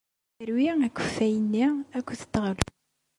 Terwi akeffay-nni akked teɣlust.